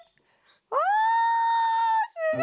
あすごい！